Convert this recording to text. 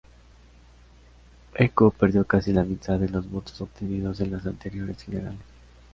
Equo perdió casi la mitad de los votos obtenidos en las anteriores generales.